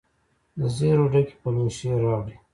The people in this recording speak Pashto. دزیرو ډکي پلوشې راوړي